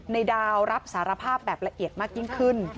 ดาวรับสารภาพแบบละเอียดมากยิ่งขึ้น